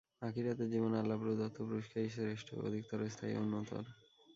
আখিরাতের জীবনে আল্লাহ প্রদত্ত পুরস্কারই শ্রেষ্ঠ, অধিকতর স্থায়ী ও উন্নতর।